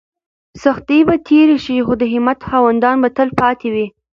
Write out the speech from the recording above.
سختۍ به تېرې شي خو د همت خاوندان به تل پاتې وي.